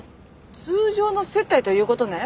通常の接待ということね。